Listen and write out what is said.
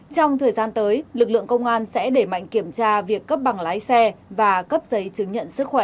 trong thời gian tới lực lượng công an sẽ để mạnh kiểm tra việc cấp bằng lái xe và cấp giấy chứng nhận sức khỏe